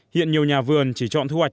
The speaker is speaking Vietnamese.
hiện nhiều nhà vườn chỉ chọn thu hoạch